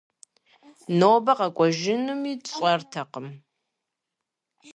Нобэ къэкӀуэжынуми тщӀэртэкъым.